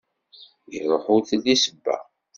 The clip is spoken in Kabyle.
Iruḥ ur telli ssebba.